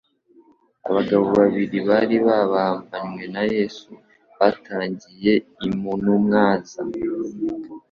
Abagabo babiri bari babambanywe na Yesu batangiye lmunumwaza.